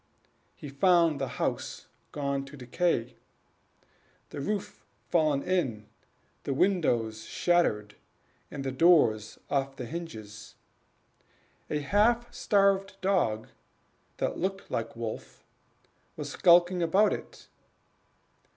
He found the house gone to decay the roof fallen in, the windows shattered, and the doors off the hinges. A half starved dog that looked like Wolf was skulking about it.